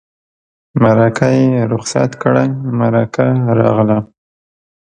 مرکه یې رخصت کړه مرکه راغله.